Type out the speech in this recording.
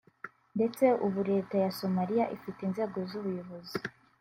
ndetse ubu leta ya Somaliya ifite inzego z’ubuyobozi